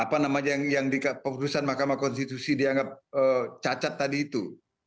apa namanya yang di keputusan mahkamah konstitusi dianggap cacat tadi itu